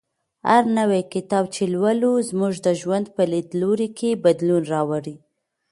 هر نوی کتاب چې لولو زموږ د ژوند په لیدلوري کې بدلون راولي.